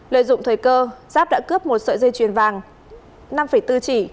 lợi dụng thời cơ giáp đã cướp một sợi dây chuyền vàng năm bốn chỉ